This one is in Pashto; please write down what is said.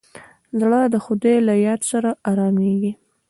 زړه د خدای له یاد سره ارامېږي.